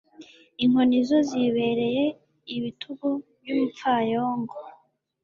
inkoni zo zibereye ibitugu by'umupfayongo